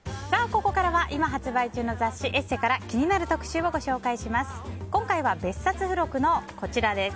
ここからは、今発売中の雑誌「ＥＳＳＥ」から気になる特集をご紹介します。